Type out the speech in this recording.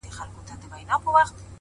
مثبت ذهن پر امکاناتو تمرکز لري،